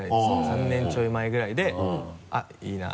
３年ちょい前ぐらいであっいいなって。